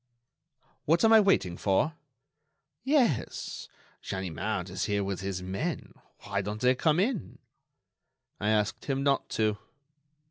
"What am I waiting for?" "Yes; Ganimard is here with his men—why don't they come in?" "I asked him not to."